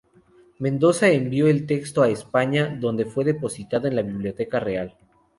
Mendoza envió el texto a España, donde fue depositado en la biblioteca real.